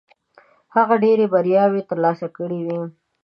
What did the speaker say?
هغه ډېرې بریاوې ترلاسه کړې وې.